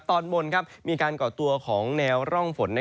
ตอนบนมีการก่อตัวของแนวร่องฝน